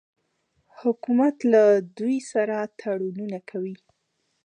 حکومت له دوی سره تړونونه کوي.